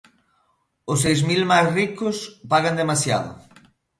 ¡Os seis mil máis ricos pagan demasiado!